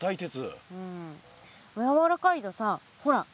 やわらかいとさほら